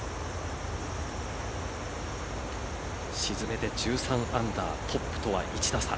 沈めて１３アンダートップとは１打差。